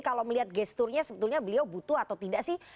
kalau melihat gesturnya sebetulnya beliau butuh atau tidak sih